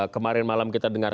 kemarin malam kita dengar